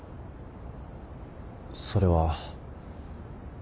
それは。